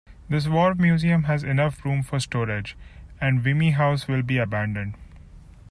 This war museum has enough room for storage, and Vimy House will be abandoned.